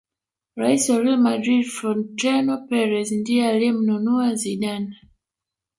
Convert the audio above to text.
rais wa real madrid Frorentino Perez ndiye aliyemnunua Zidane